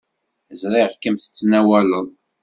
Ẓriɣ-kem tettnawaleḍ.